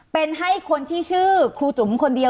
เป็นให้คนที่ชื่อครูจุ๋มคนเดียว